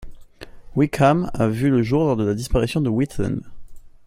Wickham a vu le jour lors de la disparition de Wheatland.